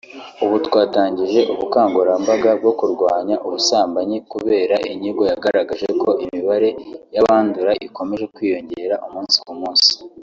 Ubu twatangije ubukangurambaga bwo kurwanya ubusambanyi kubera ko inyigo yagaragaje ko imibare yabandura ikomeje kwiyongera umunsi ku munsi”